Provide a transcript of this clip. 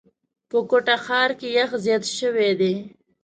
په کوټه ښار کي یخ زیات شوی دی.